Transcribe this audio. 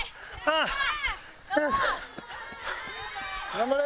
頑張れ。